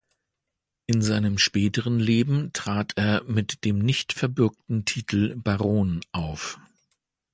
In seinem späteren Leben trat er mit dem nicht verbürgten Titel Baron auf.